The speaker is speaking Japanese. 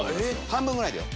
半分ぐらいだよ。